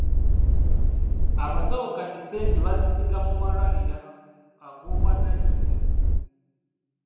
Abasawo kati ssente bazisiga mu malwaliro agw'obwannannyini.